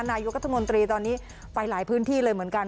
นายกรัฐมนตรีตอนนี้ไปหลายพื้นที่เลยเหมือนกัน